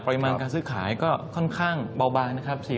มาการซื้อขายก็ค่อนข้างเบาบางนะครับ